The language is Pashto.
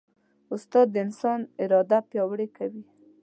استاد د انسان اراده پیاوړې کوي.